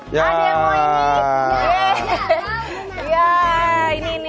ada yang mau ini